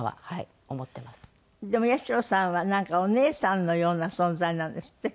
でも八代さんはなんかお姉さんのような存在なんですって？